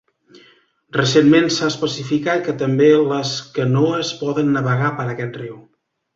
Recentment s'ha especificat que també les canoes poden navegar per aquest riu.